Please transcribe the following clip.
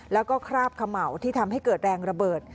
แล้วก็คราบเขม่าที่ทำให้เกิดแรงระเบิด